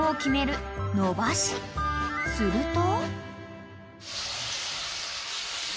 ［すると］